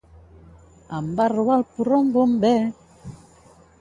Em va robar el porró un bomber